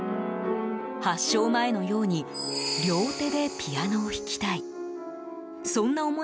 発症前のように両手でピアノを弾きたい。